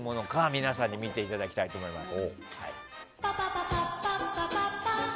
皆さんに見ていただきたいと思います。